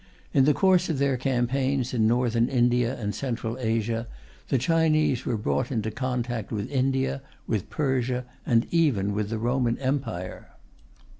In the course of their campaigns in Northern India and Central Asia, the Chinese were brought into contact with India, with Persia, and even with the Roman Empire.